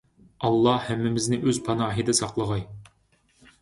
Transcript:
ئاللاھ ھەممىمىزنى ئۆز پاناھىدا ساقلىغاي!